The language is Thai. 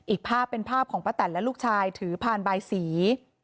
อีกภาพเป็นภาพของป้าแตนและลูกชายถือพานบายสี